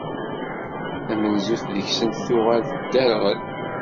Tamenzut deg sent tuɣal tedderɣel.